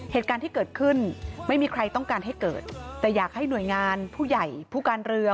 เหตุการณ์ที่เกิดขึ้นไม่มีใครต้องการให้เกิดแต่อยากให้หน่วยงานผู้ใหญ่ผู้การเรือ